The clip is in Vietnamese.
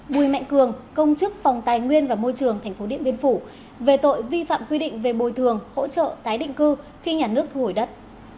bùi mạnh cường công chức phòng tài nguyên và môi trường tp điện biên phủ về tội vi phạm quy định về bồi thường hỗ trợ tái định cư khi nhà nước thu hồi đất